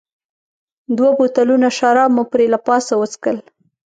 دوه بوتلونه شراب مو پرې له پاسه وڅښل.